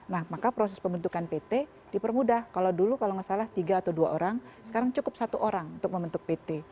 nah maka proses pembentukan pt dipermudah kalau dulu kalau nggak salah tiga atau dua orang sekarang cukup satu orang untuk membentuk pt